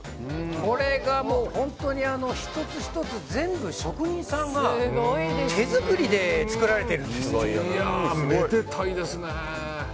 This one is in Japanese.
これがもう本当に１つ１つ全部職人さんが手作りで作られているんです。